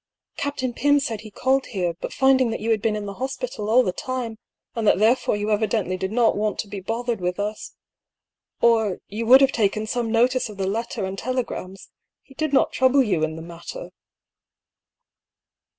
Captain Pym said he called here, but finding that you had been in the hospital all the time, and that therefore you evidently did not want to be bothered with us, or you would have taken some notice of the letter and tele grams, he did not trouble you in the matter."